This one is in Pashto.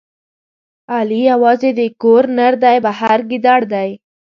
علي یوازې د کور نردی، بهر ګیدړ دی.